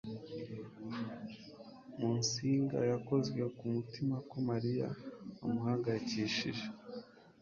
musinga yakozwe ku mutima ko mariya amuhangayikishije